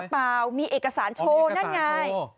ไม่ปลามีเอกสารโชว์นั่นไงอ้อ